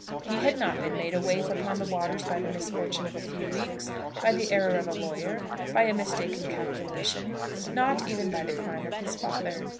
He had not been made a waif upon the waters by the misfortune of a few weeks, by the error of a lawyer, by a mistaken calculation, not even by the crime of his father.